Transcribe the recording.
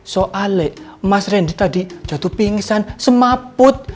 soal mas randy tadi jatuh pingsan semaput